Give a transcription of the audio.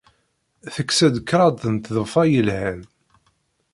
Tekkes-d kraḍt n tḍeffa yelhan.